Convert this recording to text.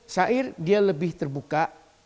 syair dia lebih terbuka